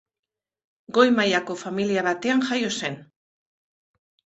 Goi mailako familia batean jaio zen.